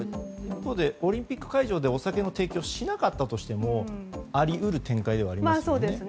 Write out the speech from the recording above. オリンピック会場でお酒の提供をしなかったとしてもあり得る展開ではありますよね。